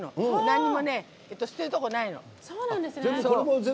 何も捨てるところないの。